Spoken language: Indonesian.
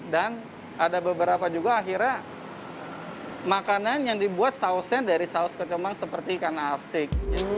dan ada beberapa juga akhirnya makanan yang dibuat sausnya dari saus kecombrang seperti ikan arsik